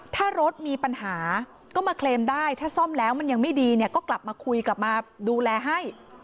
ถ้ารถมีปัญหาก็มาเคลมได้ถ้าซ่อมแล้วมันยังไม่ดีเนี่ยก็กลับมาคุยกลับมาดูแลให้